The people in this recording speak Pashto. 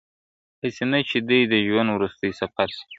هسي نه چي دي د ژوند وروستی سفر سي !.